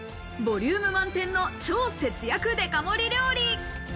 ボリューム満点の超節約デカ盛り料理。